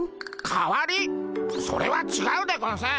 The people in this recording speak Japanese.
それはちがうでゴンス。